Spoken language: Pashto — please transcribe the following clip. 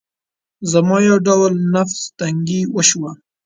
زما يو ډول نفس تنګي وشوه.